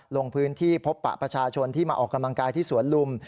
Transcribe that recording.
ลงพื้นที่พบปะประชาชนที่มาออกกำลังกายที่สวนลุม